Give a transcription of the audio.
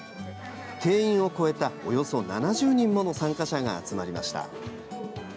定員を超えた、およそ７０人もの参加者が集まりました。